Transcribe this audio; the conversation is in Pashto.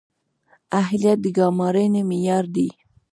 اهلیت د ګمارنې معیار دی